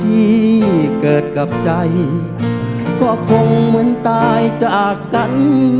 ที่เกิดกับใจก็คงเหมือนตายจากกัน